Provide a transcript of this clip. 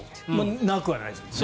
なくはないですね。